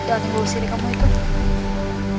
jangan timbul di sini kamu itu